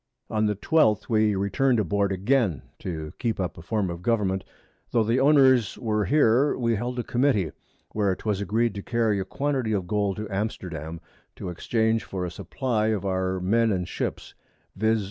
On the 12th, we return'd aboard again; and to keep up a Form of Government, tho' the Owners were here, we held a Committee, where 'twas agreed to carry a Quantity of Gold to Amsterdam, to exchange for a Supply of our Men and Ships, _viz.